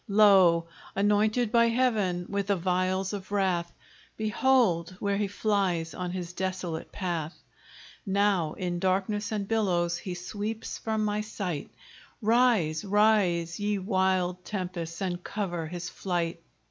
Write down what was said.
Lo! anointed by Heaven with the vials of wrath, Behold, where he flies on his desolate path! Now in darkness and billows, he sweeps from my sight: Rise, rise! ye wild tempests, and cover his flight!